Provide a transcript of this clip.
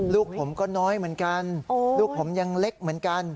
ลูกผมก็น้อยเหมือนกันลูกผมยังเล็กเหมือนกัน